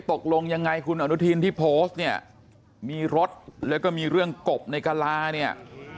ตกลงยังไงคุณอนุทินที่โพสต์เนี่ยมีรถแล้วก็มีเรื่องกบในกะลาเนี่ย